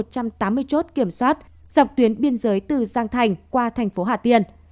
tám mươi chốt kiểm soát dọc tuyến biên giới từ giang thành qua thành phố hạ tiên